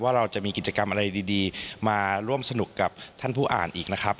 เราจะมีกิจกรรมอะไรดีมาร่วมสนุกกับท่านผู้อ่านอีกนะครับ